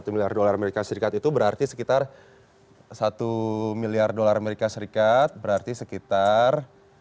satu miliar usd itu berarti sekitar satu miliar usd berarti sekitar